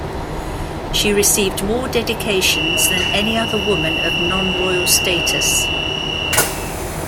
She received more dedications than any other woman of non-royal status.